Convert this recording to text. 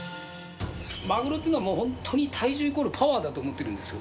マグロというのは、本当に体重イコールパワーだと思ってるんですよ。